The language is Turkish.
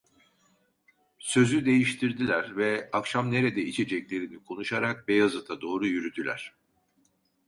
Sözü değiştirdiler ve akşam nerede içeceklerini konuşarak Beyazıt’a doğru yürüdüler.